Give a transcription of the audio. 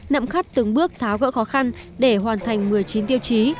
nậm khắt từng bước tháo gỡ khó khăn để hoàn thành một mươi chín tiêu chí